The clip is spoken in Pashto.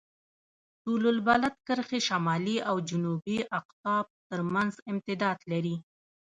طول البلد کرښې شمالي او جنوبي اقطاب ترمنځ امتداد لري.